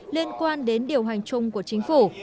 liên quan đến điều hành chung của chính phủ